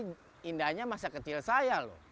ini indahnya masa kecil saya loh